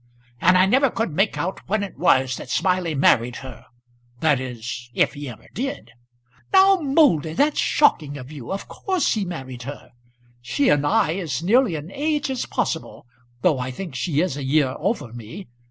"And I never could make out when it was that Smiley married her, that is, if he ever did." "Now, Moulder, that's shocking of you. Of course he married her. She and I is nearly an age as possible, though I think she is a year over me.